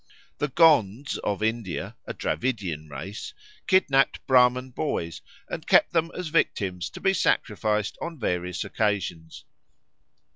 The Gonds of India, a Dravidian race, kidnapped Brahman boys, and kept them as victims to be sacrificed on various occasions.